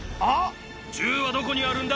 銃はどこにあるんだ？